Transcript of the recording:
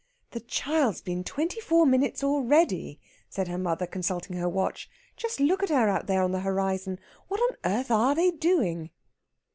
"That child's been twenty four minutes already," said her mother, consulting her watch. "Just look at her out there on the horizon. What on earth are they doing?"